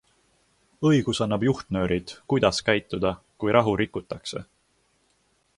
Õigus annab juhtnöörid, kuidas käituda, kui rahu rikutakse.